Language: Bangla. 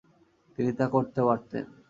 তিনি তা করতে পারতেন।